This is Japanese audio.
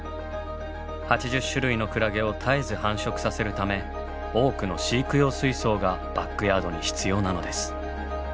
８０種類のクラゲを絶えず繁殖させるため多くの飼育用水槽がバックヤードに必要なのです。